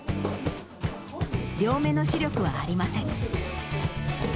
両目の視力はありません。